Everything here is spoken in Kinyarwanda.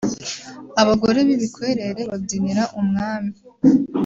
abagore b’ibikwerere babyinira umwami